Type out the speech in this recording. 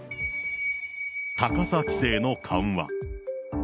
高さ規制の緩和。